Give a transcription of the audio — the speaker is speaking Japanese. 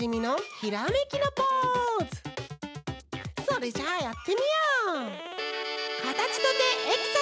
それじゃあやってみよう！